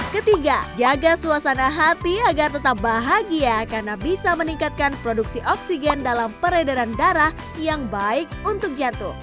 ketiga jaga suasana hati agar tetap bahagia karena bisa meningkatkan produksi oksigen dalam peredaran darah yang baik untuk jantung